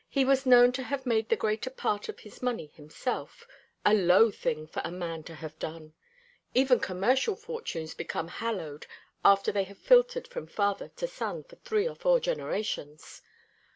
He was known to have made the greater part of his money himself a low thing for a man to have done. Even commercial fortunes become hallowed after they have filtered from father to son for three or four generations.